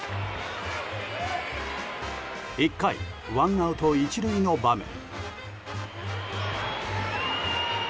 １回、ワンアウト１塁の場面。